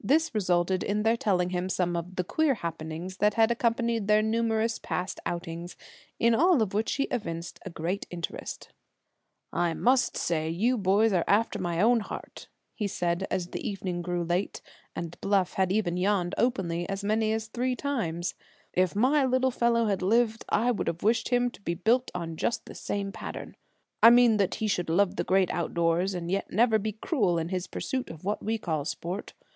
This resulted in their telling him some of the queer happenings that had accompanied their numerous past outings; in all of which he evinced great interest. "I must say you are boys after my own heart," he said, as the evening grew late, and Bluff had even yawned openly as many as three times. "If my little fellow had lived I would have wished him to be built on just the same pattern. I meant that he should love the Great Outdoors, and yet never be cruel in his pursuit of what we call sport.